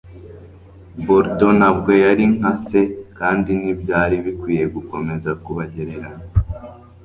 Bordeaux ntabwo yari nka se, kandi ntibyari bikwiye gukomeza kubagereranya.